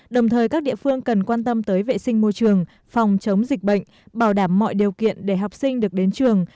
đồng thời các địa phương cần quan tâm tới vệ sinh môi trường phòng chống dịch bệnh bảo đảm mọi điều kiện để học sinh được đến trường